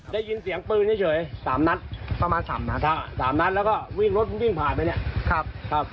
ได้ยินเสียงปืนเฉยสามนัดประมาณสามนัดสามนัดแล้วก็วิ่งรถวิ่งผ่านไปเนี่ยครับ